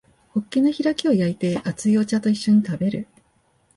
ホッケの開きを焼いて熱いお茶と一緒に食べる